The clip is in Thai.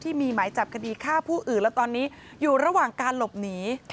หมายจับคดีฆ่าผู้อื่นแล้วตอนนี้อยู่ระหว่างการหลบหนี